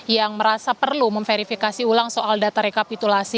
yang merasa perlu memverifikasi ulang soal data rekapitulasi